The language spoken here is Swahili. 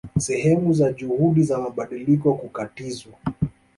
Sehemu za juhudi za mabadiliko kukatizwa